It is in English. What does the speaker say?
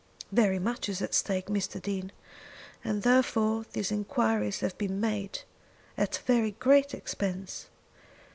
"Very much is at stake, Mr. Dean, and therefore these enquiries have been made, at a very great expense.